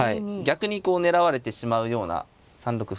逆にこう狙われてしまうような３六歩と打たれて。